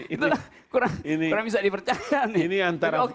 itulah kurang bisa dipercaya